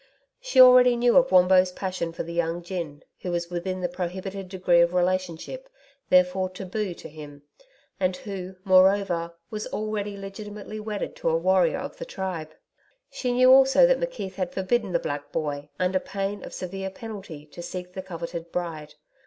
She already knew of Wombo's passion for the young gin, who was within the prohibited degree of relationship, therefore TABU to him, and who, moreover, was already legitimately wedded to a warrior of the tribe. She knew also that McKeith had forbidden the black boy, under pain of severe penalty, to seek the coveted bride.